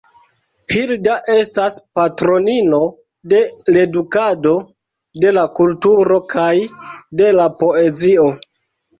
Hilda estas patronino de l’edukado, de la kulturo kaj de la poezio.